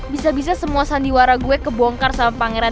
bisa bisa semua sandiwara gue kebongkar sama pangeran